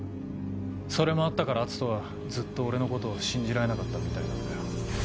それもあったから篤斗はずっと俺のことを信じられなかったみたいなんだよ。